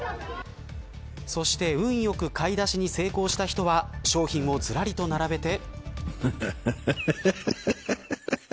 そして運よく買い出しに成功した人は商品をずらりと並べて。